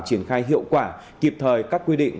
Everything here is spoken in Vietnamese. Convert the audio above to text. triển khai hiệu quả kịp thời các quy định